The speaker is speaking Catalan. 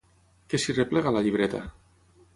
Què s'hi replega a la llibreta?